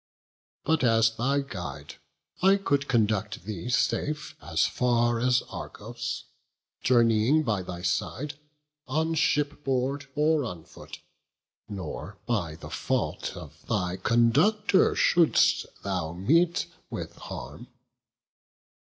But, as thy guide, I could conduct thee safe, As far as Argos, journeying by thy side, On ship board or on foot; nor by the fault Of thy conductor shouldst thou meet with harm."